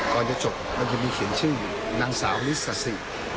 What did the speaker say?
ก่อนจะจบมันจะมีเขียนชื่อนางสาวลิซาสิ